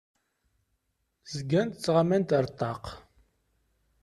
Zgant ttɣamant ar ṭṭaq.